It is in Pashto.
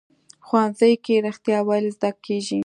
ښوونځی کې رښتیا ویل زده کېږي